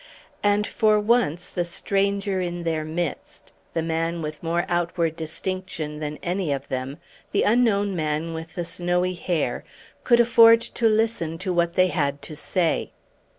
And for once the stranger in their midst, the man with more outward distinction than any one of them, the unknown man with the snowy hair, could afford to listen to what they had to say.